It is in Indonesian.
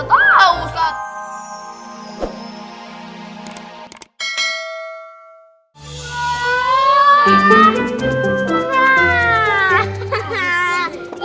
gak tau ustadz